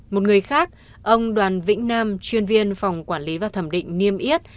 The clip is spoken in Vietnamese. một người khác ông đoàn vĩnh nam chuyên viên phòng quản lý và thẩm định niêm yết